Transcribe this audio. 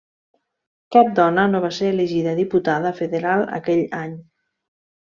Cap dona no va ser elegida diputada federal aquell any.